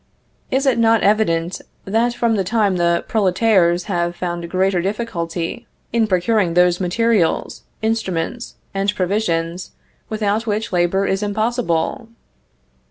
Is it not evident, that from that time the "prolétaires" have found greater difficulty in procuring those materials, instruments, and provisions, without which labor is impossible?